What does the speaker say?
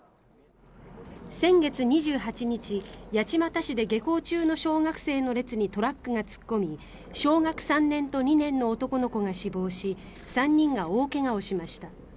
先月２８日八街市で下校中の小学生の列にトラックが突っ込み小学３年と２年の男の子が死亡し３人が大怪我をしました。